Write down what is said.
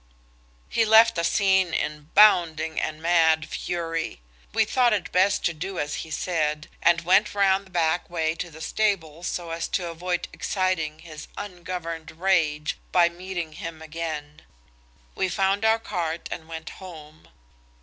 He left the scene in bounding and mad fury. We thought it best to do as he said, and went round the back way to the stables so as to avoid exciting his ungoverned rage by meeting him again. We found our cart and went home.